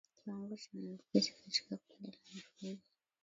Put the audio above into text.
Kiwango cha maambukizi katika kundi la mifugo